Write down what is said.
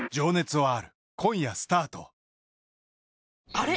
あれ？